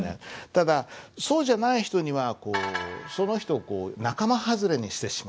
ただそうじゃない人にはこうその人を仲間外れにしてしまう。